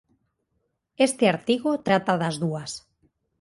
Este artigo trata das dúas.